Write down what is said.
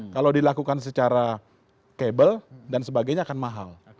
kalau dilakukan secara kabel dan sebagainya akan mahal